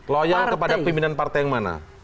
loyal kepada pimpinan partai yang mana